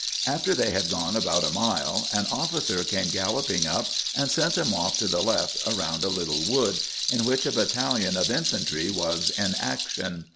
After they had gone about a mile an officer came galloping up and sent them off to the left around a little wood, in which a battalion of infantry was in action.